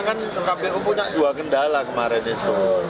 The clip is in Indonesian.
karena kan kpu punya dua kendala kemarin itu